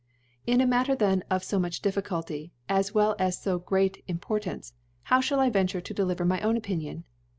In a Matter then of fo much Difficulty, as well as fo great Importance, how fhall I venture to deliver my own Opinion